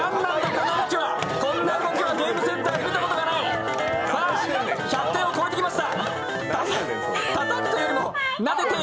こんな動きはゲームセンターでも見たことがない。